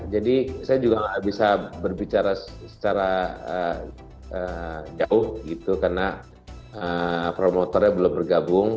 jadi saya juga nggak bisa berbicara secara jauh gitu karena promotornya belum bergabung